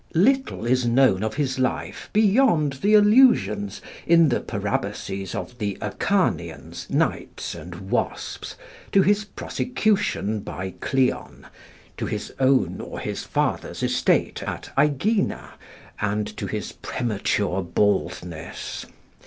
Little is known of his life beyond the allusions, in the Parabases of the 'Acharnians,' 'Knights,' and 'Wasps,' to his prosecution by Cleon, to his own or his father's estate at Aegina, and to his premature baldness.